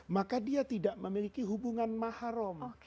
maka dia tidak memiliki hubungan mahrum